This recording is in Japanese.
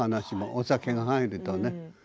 お酒が入ると話もね。